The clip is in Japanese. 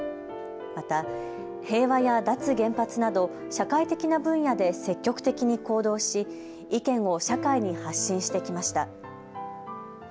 また平和や脱原発など社会的な分野で積極的に行動し意見を社会に発信してきました。